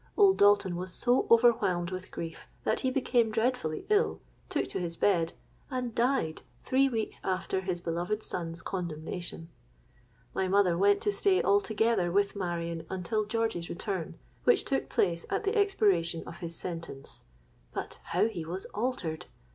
Old Dalton was so overwhelmed with grief that he became dreadfully ill, took to his bed, and died three weeks after his beloved son's condemnation. My mother went to stay altogether with Marion until George's return, which took place at the expiration of his sentence. But how he was altered!